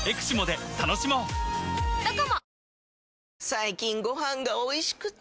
最近ご飯がおいしくて！